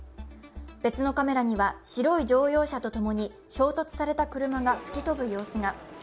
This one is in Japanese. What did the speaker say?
別のカメラには白い乗用車と共に衝突された車が吹き飛ぶ様子が。